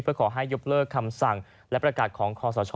เพื่อขอให้ยกเลิกคำสั่งและประกาศของคอสช